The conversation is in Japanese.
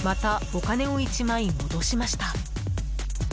お金を１枚戻しました。